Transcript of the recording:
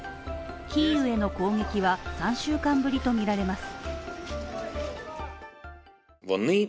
キーウへの攻撃は３週間ぶりとみられます。